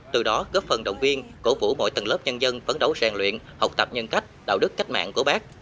từ đó góp phần động viên cổ vũ mọi tầng lớp nhân dân phấn đấu rèn luyện học tập nhân cách đạo đức cách mạng của bác